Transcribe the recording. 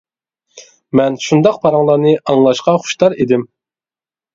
مەن شۇنداق پاراڭلارنى ئاڭلاشقا خۇشتار ئىدىم.